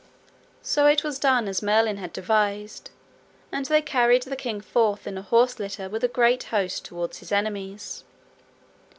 So it was done as Merlin had devised, and they carried the king forth in an horse litter with a great host towards his enemies.